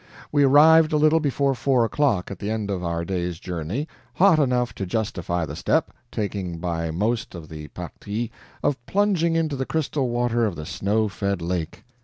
We arrived a little before four o'clock at the end of our day's journey, hot enough to justify the step, taking by most of the PARTIE, of plunging into the crystal water of the snow fed lake.